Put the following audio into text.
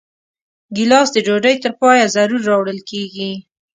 ګیلاس د ډوډۍ تر پایه ضرور راوړل کېږي.